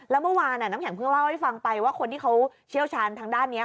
แล้วเมื่อวานน้ำแข็งเพิ่งเล่าให้ฟังไปว่าคนที่เขาเชี่ยวชาญทางด้านนี้